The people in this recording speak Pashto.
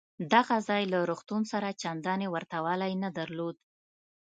دغه ځای له روغتون سره چندانې ورته والی نه درلود.